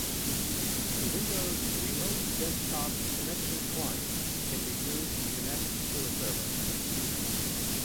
The Windows' Remote Desktop Connection client can be used to connect to a server.